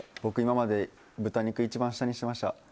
僕今まで豚肉一番下にしてました。